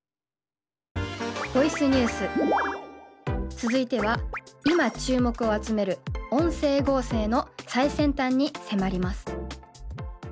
続いては今注目を集める音声合成の最先端に迫ります。